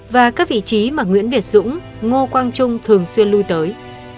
và các vị trí mà nguyễn việt dũng ngô quang trung thường xuyên lui tới